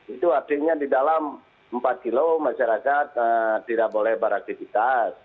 itu artinya di dalam empat kilo masyarakat tidak boleh beraktivitas